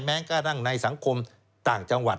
แม้กระทั่งในสังคมต่างจังหวัด